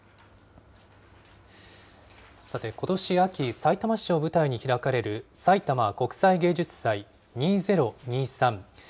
さて、ことし秋、さいたま市を舞台に開かれる、さいたま国際芸術祭２０２３。